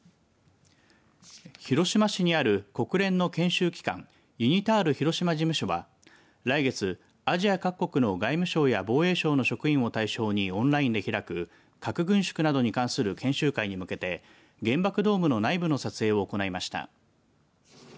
広島市にある国連の研修期間ユニタール広島事務所は来月、アジア各国の外務省や防衛省の職員を対象にオンラインで開く核軍縮などに関する研修会に向けて原爆ドームの内部の撮影を行いました。